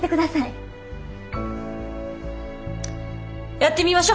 やってみましょ。